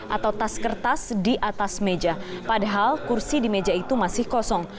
atau tas kertas di atas meja padahal kursi di meja itu masih kosong